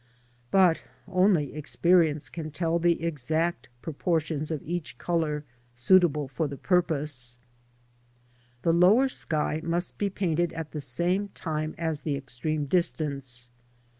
But only experience can tell the exact proportions of each colour suitable for the purpose. The lower sky must be painted at the same time as the extreme distance.